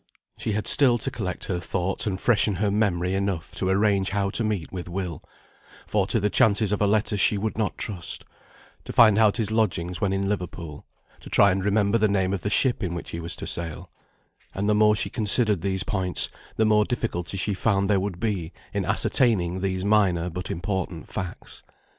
She had still to collect her thoughts and freshen her memory enough to arrange how to meet with Will for to the chances of a letter she would not trust; to find out his lodgings when in Liverpool; to try and remember the name of the ship in which he was to sail: and the more she considered these points the more difficulty she found there would be in ascertaining these minor but important facts.